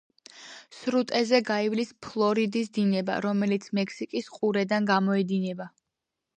სრუტეზე გაივლის ფლორიდის დინება, რომელიც მექსიკის ყურედან გამოედინება.